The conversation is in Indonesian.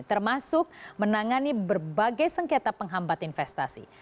termasuk menangani berbagai sengketa penghambat investasi